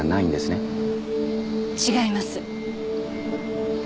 違います。